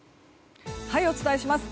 お伝えします。